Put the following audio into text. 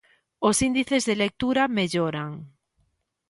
Os índices de lectura melloran.